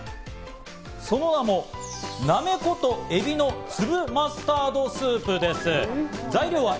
その名もなめことエビの粒マスタードスープです。